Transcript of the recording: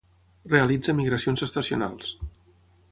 Realitza migracions estacionals.